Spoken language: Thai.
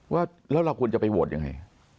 ว่าแล้วเราควรจะไปโหวตยังไง